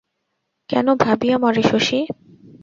কেন ভাবিয়া মরে শশী?